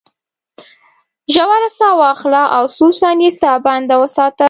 ژوره ساه واخله او څو ثانیې ساه بنده وساته.